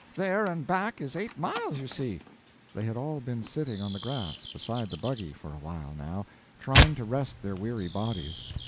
There and back is eight miles, you see." They had all been sitting on the grass beside the buggy for a while, now, trying to rest their weary bodies.